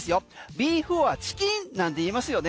ビーフ・オア・チキンなんていいますよね。